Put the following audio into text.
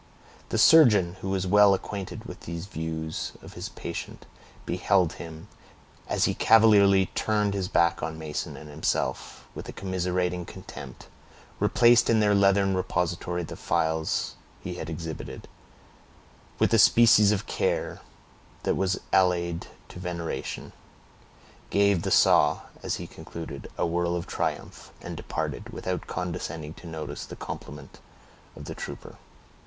The surgeon, who was well acquainted with these views of his patient, beheld him, as he cavalierly turned his back on Mason and himself, with a commiserating contempt, replaced in their leathern repository the phials he had exhibited, with a species of care that was allied to veneration, gave the saw, as he concluded, a whirl of triumph, and departed, without condescending to notice the compliment of the trooper.